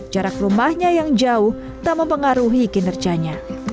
jarak rumahnya yang jauh tak mempengaruhi kinerjanya